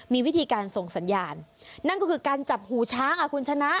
มีวิธีการส่งสัญญาณนั่นก็คือการจับหูช้างอ่ะคุณชนะ